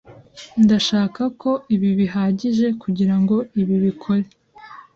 Ndashaka ko ibi bihagije kugirango ibi bikore